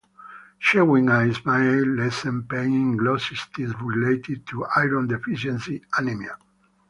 Chewing ice may lessen pain in glossitis related to iron deficiency anemia.